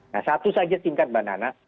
nah satu saja tingkat mbak nana